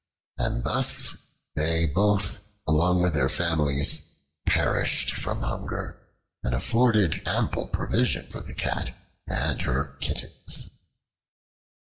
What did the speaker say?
And thus they both, along with their families, perished from hunger, and afforded ample provision for the Cat and her kittens.